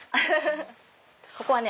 ここはね